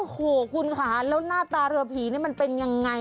โอ้โหคุณค่ะแล้วหน้าตาเรือผีนี่มันเป็นยังไง